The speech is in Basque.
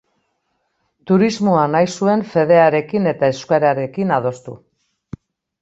Turismoa nahi zuen fedearekin eta euskararekin adostu.